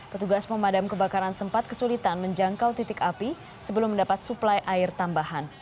petugas pemadam kebakaran sempat kesulitan menjangkau titik api sebelum mendapat suplai air tambahan